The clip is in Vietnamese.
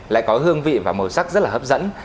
lại có hương vị và màu sắc rất là hấp dẫn